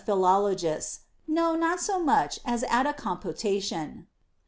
177 philologists, no, not so much as at a computation.